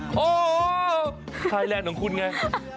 โหไทยแลนด์ของคุณไง